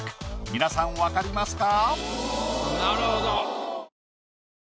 皆さん分かりますか？